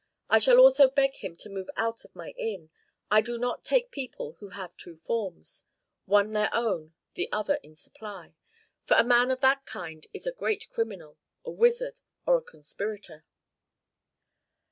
I shall also beg him to move out of my inn. I do not take people who have two forms, one their own, the other in supply. For a man of that kind is a great criminal, a wizard, or a conspirator."